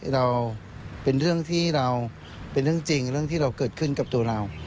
เราเป็นเรื่องที่เราเป็นเรื่องจริงเรื่องที่เราเกิดขึ้นกับตัวเรา